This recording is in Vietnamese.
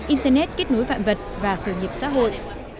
internet kết nối vạn vật và khởi nghiệp xã hội